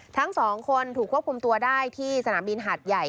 ทั้งสองคนถูกควบคุมตัวได้ที่สนามบินหาดใหญ่